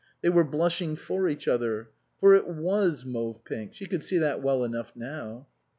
They were blushing for each other. For it was mauve pink ; she could see that well enough now.